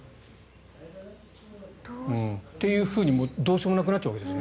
っていうふうにどうしようもなくなっちゃうわけですね。